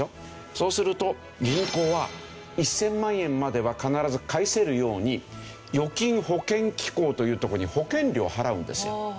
そうすると銀行は１０００万円までは必ず返せるように預金保険機構というところに保険料を払うんですよ。